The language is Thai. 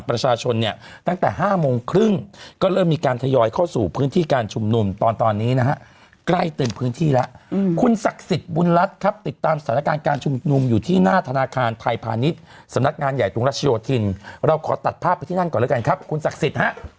ประชาชนเนี่ยตั้งแต่๕โมงครึ่งก็เริ่มมีการทยอยเข้าสู่พื้นที่การชุมนุมตอนตอนนี้นะฮะใกล้เต็มพื้นที่แล้วคุณศักดิ์สิทธิ์บุญรัฐครับติดตามสถานการณ์การชุมนุมอยู่ที่หน้าธนาคารไทยพาณิชย์สำนักงานใหญ่ตรงรัชโยธินเราขอตัดภาพไปที่นั่นก่อนแล้วกันครับคุณศักดิ์สิทธิ์ฮะ